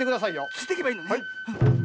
ついてけばいいのね。